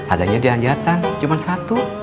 adanya di anjatan cuma satu